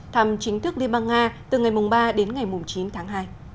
thăm chính thức liên bang nga từ ngày ba đến ngày chín tháng hai